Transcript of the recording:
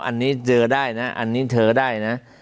อันนี้เจอได้นะอันนี้เธอได้นะ